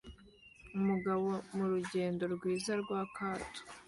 Umugabo murugendo rwiza rwa kato